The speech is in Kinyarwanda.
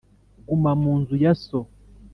Guma mu nzu ya so